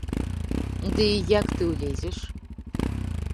Ды і як ты ўлезеш?